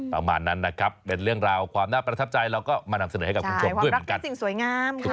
ประมาณนั้นนะครับเป็นเรื่องราวความน่าประทับใจเราก็มานำเสนอให้กับคุณผู้ชมด้วยเหมือนกันสิ่งสวยงาม